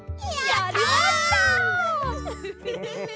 やりました！